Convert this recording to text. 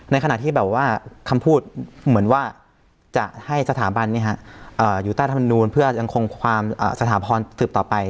ในขณะที่แบบว่าคำพูดเหมือนว่าจะให้สถาบันอยู่ใต้ธรรมนูลเพื่อยังคงความสถาพรสืบต่อไป